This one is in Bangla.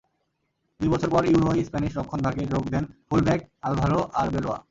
দুই বছর পর ইউরোয় স্প্যানিশ রক্ষণভাগে যোগ দেন ফুল ব্যাক আলভারো আরবেলোয়া।